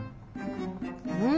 うん。